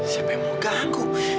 siapa yang mau ganggu